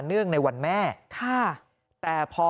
แม่พึ่งจะเอาดอกมะลิมากราบเท้า